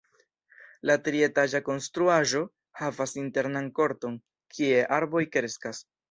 La trietaĝa konstruaĵo havas internan korton, kie arboj kreskas.